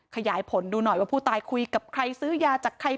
ขยายผลดูหน่อยว่าผู้ตายคุยกับใครซื้อยาจากใคร